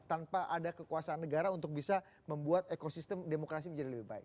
tanpa ada kekuasaan negara untuk bisa membuat ekosistem demokrasi menjadi lebih baik